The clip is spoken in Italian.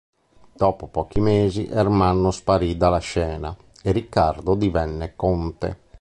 Dopo pochi mesi Ermanno sparì dalla scena e Riccardo divenne conte.